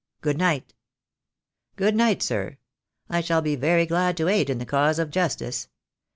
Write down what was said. Good night." "Good night, sir. I shall be very glad to aid in the cause of justice.